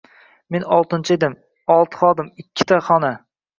Men oltinchisi edim, olti xodim, ikkita xona.